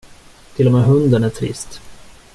Till och med hunden är trist.